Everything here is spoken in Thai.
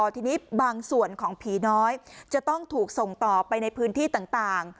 ทีนี้บางส่วนของผีน้อยจะต้องถูกส่งต่อไปในพื้นที่ต่าง